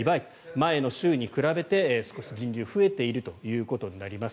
前の週に比べて少し人流が増えているということになります。